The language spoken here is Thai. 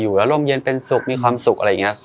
อารมณ์เย็นเป็นสุขมีความสุขอะไรอย่างนี้